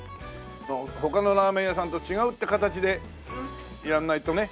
他のラーメン屋さんと違うって形でやらないとね。